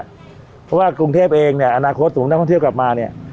เพราะว่ากรุงเทพเองเนี่ยอนาคตสูงนักท่องเที่ยวกลับมาเนี่ย